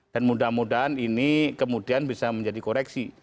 dan mudah mudahan ini kemudian bisa menjadi koreksi